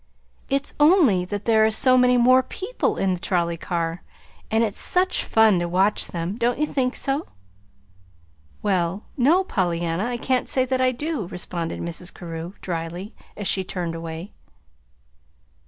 "It's only that there are so many more people in the trolley car, and it's such fun to watch them! Don't you think so?" "Well, no, Pollyanna, I can't say that I do," responded Mrs. Carew, dryly, as she turned away.